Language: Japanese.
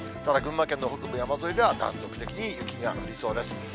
ただ、群馬県の北部山沿いでは断続的に雪が降りそうです。